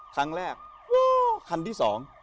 ครั้งแรกคันที่สอง